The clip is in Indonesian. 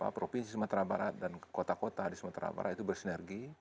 provinsi sumatera barat dan kota kota di sumatera barat itu bersinergi